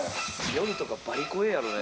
夜とか、バリ怖えやろね。